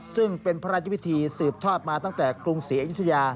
ซึ่งเป็นพระราชพิธีสืบทอดมาตั้งแต่กรุงศรีอยุธยา